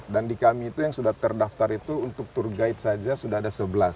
dan di kami itu yang sudah terdaftar itu untuk tour guide saja sudah ada sebelas